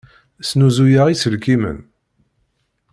Snuzuyeɣ iselkimen.